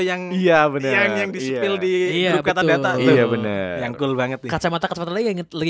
yang iya bener yang di spill di kata kata iya bener yang cool banget kacamata kacamata lagi